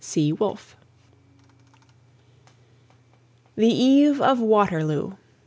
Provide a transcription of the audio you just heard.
C. WOLFE. THE EVE OF WATERLOO.